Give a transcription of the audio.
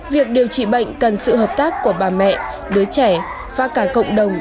việc điều trị bệnh cần sự hợp tác của bà mẹ đứa trẻ và cả cộng đồng